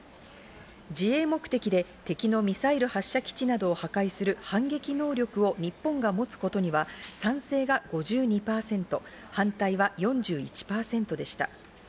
自衛目的で敵のミサイル発射基地などを破壊する反撃能力を日本が持つことには賛成が５２％、反対は４１％でした。